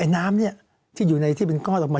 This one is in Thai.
น้ำที่อยู่ในที่เป็นก้อนออกมา